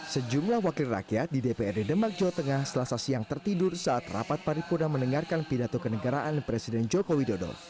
sejumlah wakil rakyat di dprd demak jawa tengah selasa siang tertidur saat rapat paripurna mendengarkan pidato kenegaraan presiden joko widodo